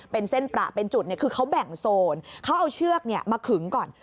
เป็นเส้นประเป็นจุดคือเขาแบ่งโซนเขาเอาเชือกมาขึงก่อน